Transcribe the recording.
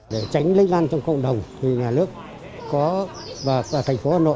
để tránh lây lan trong cộng đồng thì nhà nước có và thành phố hà nội